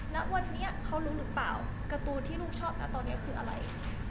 ณวันนี้เขารู้หรือเปล่าการ์ตูนที่ลูกชอบนะตอนนี้คืออะไร